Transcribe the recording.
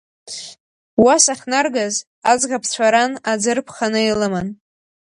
Уа сахьнаргаз, аӡӷабцәа ран аӡы рԥханы илыман.